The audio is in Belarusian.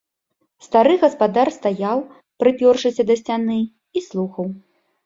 Стары гаспадар стаяў, прыпёршыся да сцяны, і слухаў.